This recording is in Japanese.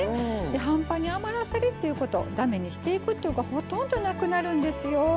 半端に余らせるっていうこと駄目にしていくってことほとんどなくなるんですよ。